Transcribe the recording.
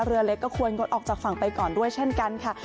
เรือเล็กก็ควรงดออกจากฝั่งไปก่อนด้วยเช่นกันค่ะ